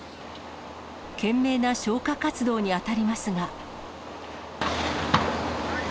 懸命な消火活動に当たりますが。